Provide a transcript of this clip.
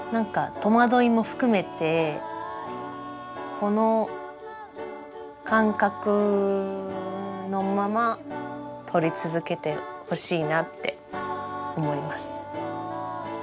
この感覚のまま撮り続けてほしいなって思います。